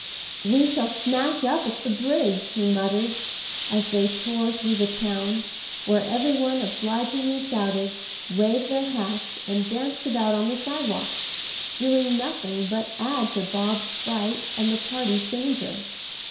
"We shall smash up at the bridge," he muttered, as they tore through the town, where every one obligingly shouted, waved their hats, and danced about on the sidewalks, doing nothing but add to Bob's fright and the party's danger.